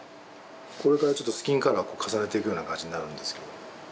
これからちょっとスキンカラーを重ねていくような感じになるんですけど。